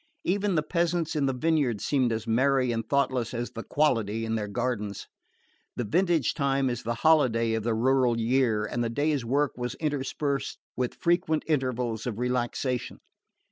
Even the peasants in the vineyards seemed as merry and thoughtless as the quality in their gardens. The vintage time is the holiday of the rural year and the day's work was interspersed with frequent intervals of relaxation.